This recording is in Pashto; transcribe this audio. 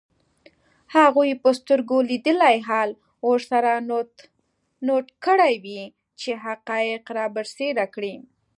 هغوی به سترګو لیدلی حال ورسره نوټ کړی وي چي حقایق رابرسېره کړي